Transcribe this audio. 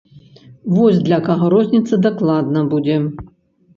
Вось для каго розніца дакладна будзе.